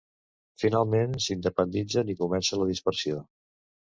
Finalment, s'independitzen i comença la dispersió.